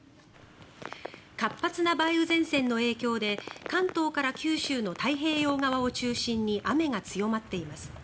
活発な梅雨前線の影響で関東から九州の太平洋側を中心に雨が強まっています。